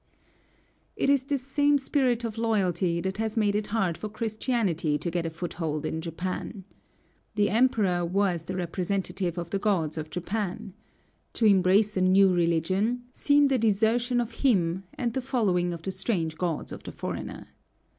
It is this same spirit of loyalty that has made it hard for Christianity to get a foothold in Japan. The Emperor was the representative of the gods of Japan. To embrace a new religion seemed a desertion of him, and the following of the strange gods of the foreigner.